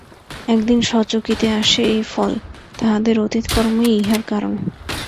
একদিন সচকিতে আসে এই ফল! তাঁহাদের অতীত কর্মই ইহার কারণ।